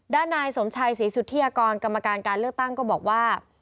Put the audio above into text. ด้านนายสมชัยศรีสุธิยากรกรรมการการเลือกตั้งก็บอกว่า